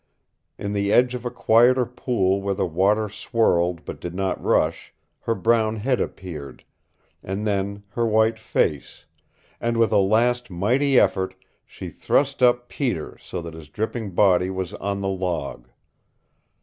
In the edge of a quieter pool where the water swirled but did not rush, her brown head appeared, and then her white face, and with a last mighty effort she thrust up Peter so that his dripping body was on the log.